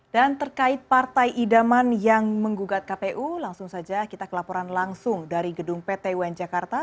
dan terkait partai idaman yang menggugat kpu langsung saja kita kelaporan langsung dari gedung pt un jakarta